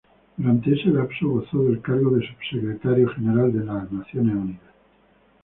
Durante ese lapso gozó del cargo de Subsecretario General de Naciones Unidas.